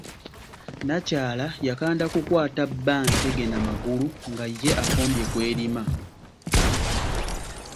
Nakyala yakanda kukwata bba ntege n'amagulu nga ye akombye ku erima.